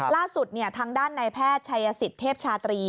ล่าสุดทางด้านในแพทย์ชัยสิทธิเทพชาตรี